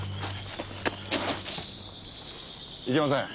いけません。